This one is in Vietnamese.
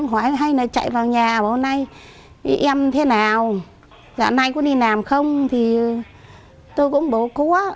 hay là chạy vào nhà bảo nay em thế nào dạo này có đi làm không thì tôi cũng bảo cố á